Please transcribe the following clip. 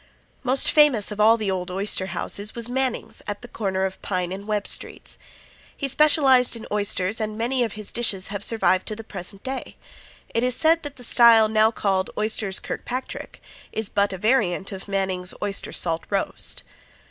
Most famous of all the old oyster houses was Mannings, at the corner of Pine and Webb streets. He specialized in oysters and many of his dishes have survived to the present day. It is said that the style now called "Oysters Kirkpatrick," is but a variant of Manning's "Oyster Salt Roast."